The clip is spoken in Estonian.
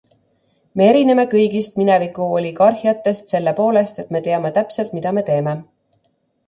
Me erineme kõigist mineviku oligarhiatest selle poolest, et me teame täpselt, mida me teeme.